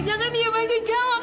jangan dia masih jawab